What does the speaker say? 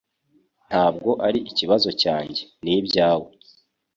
Ntabwo ari ikibazo cyanjye Ni ibyawe